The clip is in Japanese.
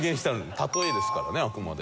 例えですからねあくまで。